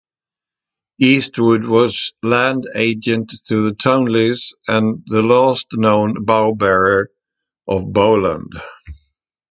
Eastwood was land agent to the Towneleys and the last known Bowbearer of Bowland.